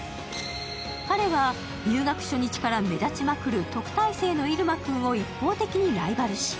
彼は、入学初日から目立ちまくる特待生の入間くんを一方的にライバル視。